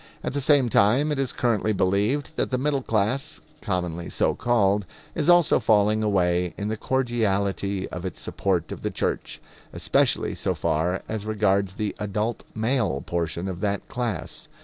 At the same time it is currently believed that the middle class, commonly so called, is also falling away in the cordiality of its support of the church, especially so far as regards the adult male portion of that class.